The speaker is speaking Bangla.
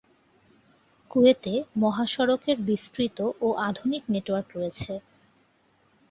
কুয়েতে মহাসড়কের বিস্তৃত ও আধুনিক নেটওয়ার্ক রয়েছে।